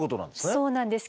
そうなんです。